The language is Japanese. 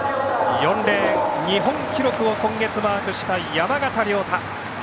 ４レーン、日本記録を今月マークした山縣亮太。